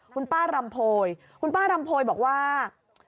คุณป้ารำโพยคุณป้ารำโพยบอกว่า